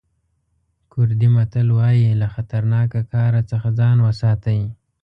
کوردي متل وایي له خطرناکه کار څخه ځان وساتئ.